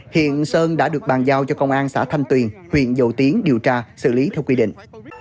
hiện sơn đã được bàn giao cho công an xã thanh tuyền huyện dầu tiến điều tra xử lý theo quy định